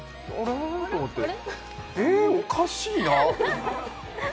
えっ、おかしいな。